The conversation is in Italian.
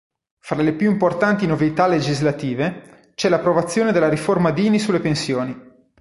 Fra le più importanti novità legislative, c'è l'approvazione della riforma Dini sulle pensioni.